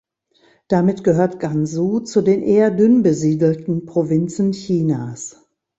Damit gehört Gansu zu den eher dünn besiedelten Provinzen Chinas.